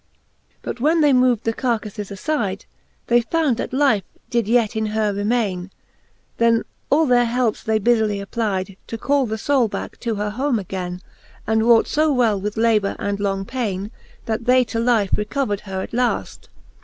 XXII. But when they mov'd the carcafes afide. They found, that life did yet in her remaine : Then all their helpes they buiily applyde, To call the foule backe to her home againe; And wrought fo well with labour and long paine. That they to life recovered her at laft.